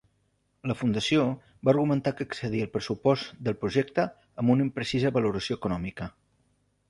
La Fundació va argumentar que excedia el pressupost del projecte amb una imprecisa valoració econòmica.